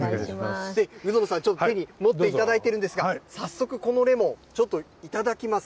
鵜殿さん、ちょっと手に持っていただいてるんですが、早速、このレモン、ちょっと頂きます。